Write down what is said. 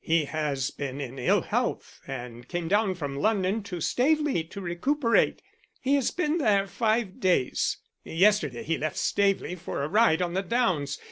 He has been in ill health and came down from London to Staveley to recuperate. He has been there five days. Yesterday he left Staveley for a ride on the downs.